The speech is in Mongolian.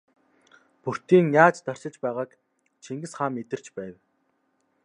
Бөртийн яаж тарчилж байгааг Чингис хаан мэдэрч байв.